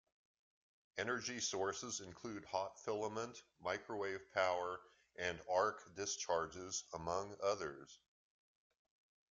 Energy sources include hot filament, microwave power, and arc discharges, among others.